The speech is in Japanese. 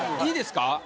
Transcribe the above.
いいですか？